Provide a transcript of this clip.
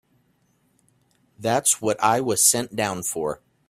That's what I was sent down for.